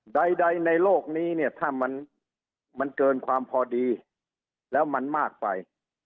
ใดในโลกนี้เนี่ยถ้ามันเกินความพอดีแล้วมันมากไป